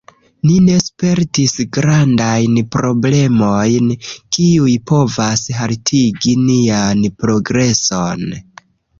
Ni ne spertis grandajn problemojn, kiuj povas haltigi nian progreson